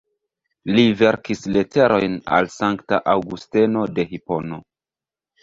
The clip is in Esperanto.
Li verkis leterojn al Sankta Aŭgusteno de Hipono.